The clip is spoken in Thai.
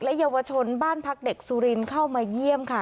เยาวชนบ้านพักเด็กสุรินเข้ามาเยี่ยมค่ะ